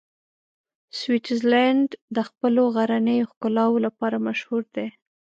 سویټزرلنډ د خپلو غرنیو ښکلاوو لپاره مشهوره دی.